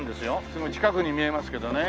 すごい近くに見えますけどね。